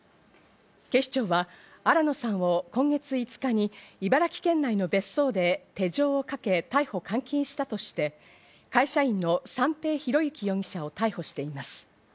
警視庁は新野さんを今月５日に茨城県内の別荘で手錠をかけ逮捕監禁したとして、会社員の三瓶博幸容疑者を逮捕しています。